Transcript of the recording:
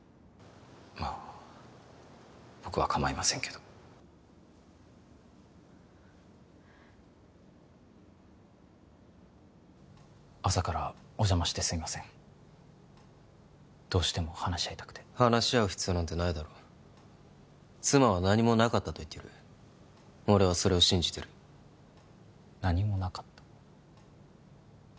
まあ僕は構いませんけど朝からお邪魔してすいませんどうしても話し合いたくて話し合う必要なんてないだろ妻は何もなかったと言ってる俺はそれを信じてる何もなかった？